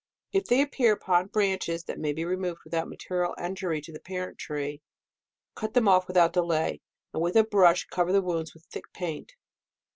If they appear upon branches that may be removed without material injury to the parent tree, cut them off without delay, and with a brush cover the wounds with thick paint.